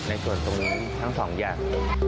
ในส่วนตรงนี้ทั้งสองอย่าง